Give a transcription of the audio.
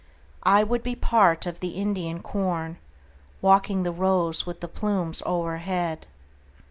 I would be part of the Indian corn, Walking the rows with the plumes o'erhead.